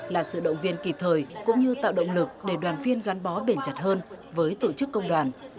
là sự động viên kịp thời cũng như tạo động lực để đoàn viên gắn bó bền chặt hơn với tổ chức công đoàn